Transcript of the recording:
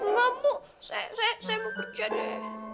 nggak mau saya mau kerja deh